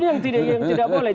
ini yang tidak boleh